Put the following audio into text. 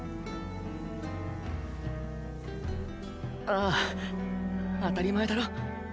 ああ当たり前だろッ。